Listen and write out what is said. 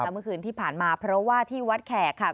เมื่อคืนที่ผ่านมาเพราะว่าที่วัดแขกค่ะ